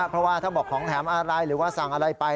เพราะว่าถ้าบอกของแถมอะไรหรือว่าสั่งอะไรไป